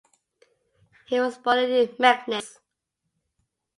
He was born in Meknes.